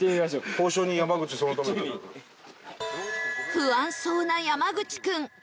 不安そうな山口君